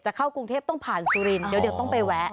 เข้ากรุงเทพต้องผ่านสุรินทร์เดี๋ยวต้องไปแวะ